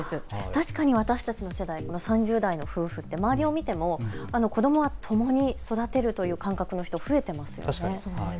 確かに私たちの世代、３０代の夫婦って周りを見ても子どもはともに育てるという感覚の人、増えていますよね。